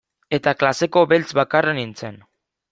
Eta klaseko beltz bakarra nintzen.